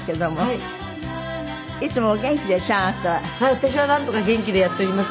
私はなんとか元気でやっております。